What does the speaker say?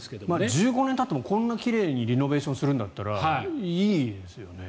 １５年たってもこんな奇麗にリノベーションするんだったらいいですよね。